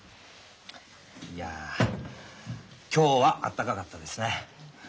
いや今日は暖かかったですね。